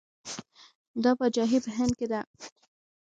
دا پاچاهي په هند کې ده.